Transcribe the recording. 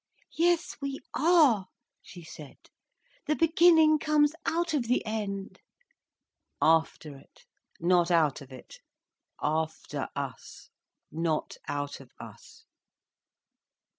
"Yes we are," she said. "The beginning comes out of the end." "After it, not out of it. After us, not out of us."